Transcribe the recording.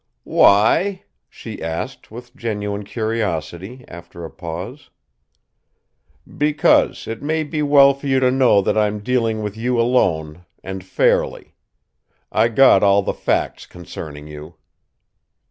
"Why?" she asked with genuine curiosity, after a pause. "Because it may be well for you to know that I'm dealing with you alone, and fairly. I got all the facts concerning you."